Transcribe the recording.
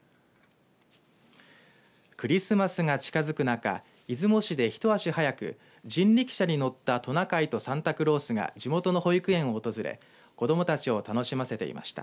クリスマスが近づく中出雲市で一足早く人力車に乗ったトナカイとサンタクロースが地元の保育園を訪れ子どもたちを楽しませていました。